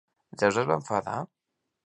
Zeus es va enfadar?